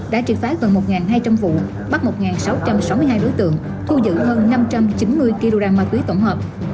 đã triệt phá gần một hai trăm linh vụ bắt một sáu trăm sáu mươi hai đối tượng thu giữ hơn năm trăm chín mươi kg ma túy tổng hợp